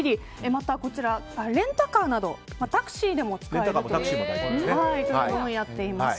また、レンタカーなどタクシーでも使えるというのをやっています。